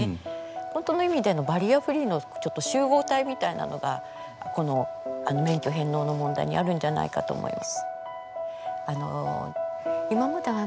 本当の意味でのバリアフリーのちょっと集合体みたいなのがこの免許返納の問題にあるんじゃないかと思います。